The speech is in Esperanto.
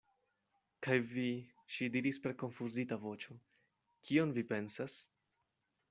Kaj vi, ŝi diris per konfuzita voĉo, kion vi pensas?